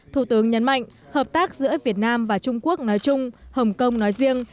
thủ tướng nhấn mạnh hợp tác giữa việt nam và trung quốc nói chung hồng kông nói riêng